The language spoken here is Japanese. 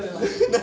何？